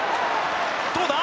どうだ